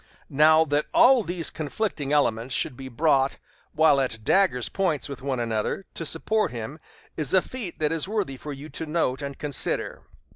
Now that all these conflicting elements should be brought, while at daggers' points with one another, to support him, is a feat that is worthy for you to note and consider.